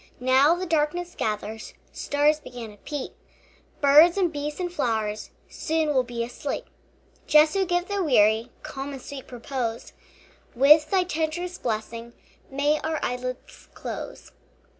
Now the darkness gathers, Stars begin to peep, Birds and beasts and flowers Soon will be asleep. Jesu, give the weary Calm and sweet repose; With thy tenderest blessing May our eyelids close.